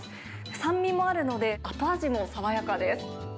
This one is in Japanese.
酸味もあるので、後味も爽やかです。